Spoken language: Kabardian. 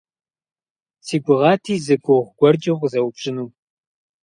Си гугъати зы гугъу гуэркӀэ укъызэупщӀыну.